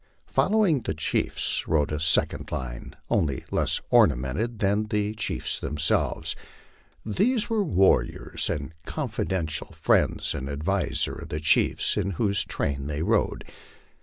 Following the chiefs rode a second line, LIFE ON THE PLAINS. 209 only less ornamented than the chiefs themselves. These were warriors and confidential friends and advisers of the chiefs in whose train they rode.